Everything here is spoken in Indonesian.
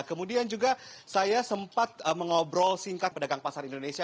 kemudian juga saya sempat mengobrol singkat pedagang pasar indonesia